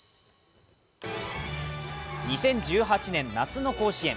２０１８年夏の甲子園。